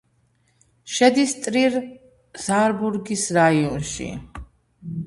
შედის ტრირ-ზაარბურგის რაიონში.